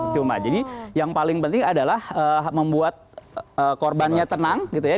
cuma jadi yang paling penting adalah membuat korbannya tenang gitu ya